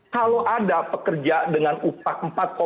kalau ada pekerja dengan upah empat tujuh